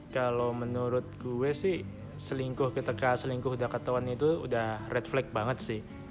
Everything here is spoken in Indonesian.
kalau menurut gue sih selingkuh ketika selingkuh udah ketahuan itu udah red flag banget sih